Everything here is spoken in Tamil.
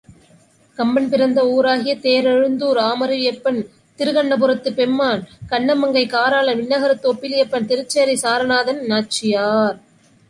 கம்பன் பிறந்த ஊராகிய தேரழுந்தூர் ஆமருவியப்பன், திருக்கண்ணபுரத்துப் பெம்மான், கண்ணமங்கை காராளன், விண்ணகரத்து ஒப்பிலியப்பன், திருச்சேறை சாரநாதன், நாச்சியார்.